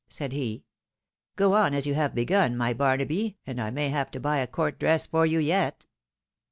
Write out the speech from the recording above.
said he. " Go on as you have begun, my Barnaby, and I may have to buy a court dress for you yet."